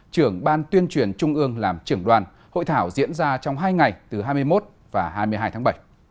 trưởng ban tuyên truyền trung ương làm trưởng đoàn hội thảo diễn ra trong hai ngày từ hai mươi một và hai mươi hai tháng bảy